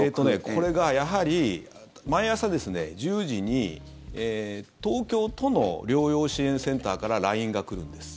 これがやはり毎朝１０時に東京都の療養支援センターからＬＩＮＥが来るんです。